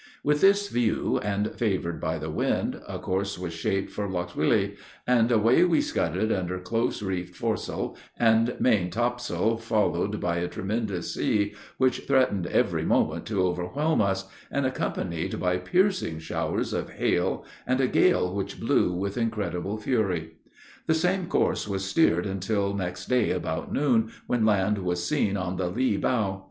With this view, and favored by the wind, a course was shaped for Lochswilly, and away we scudded under close reefed foresail and main topsail, followed by a tremendous sea, which threatened every moment to overwhelm us, and accompanied by piercing showers of hail, and a gale which blew with incredible fury. The same course was steered until next day about noon, when land was seen on the lee bow.